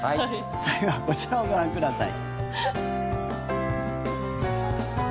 最後はこちらをご覧ください。